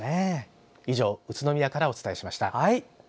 以上、宇都宮からお伝えしました。